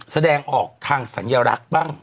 แสดงออกทางสัญลักษณ์บ้าง